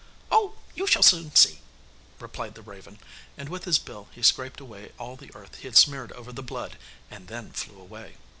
'Oh, you shall soon see,' replied the raven, and with his bill he scraped away all the earth he had smeared over the blood and then flew away.